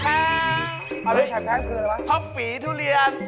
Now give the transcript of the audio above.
อะไรที่แข็งคืออะไรวะท็อปฝีทุเรียน